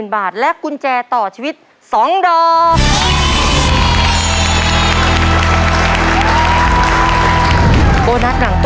๑๐๐๐๐บาทและกุญแจต่อชีวิต๒ดอม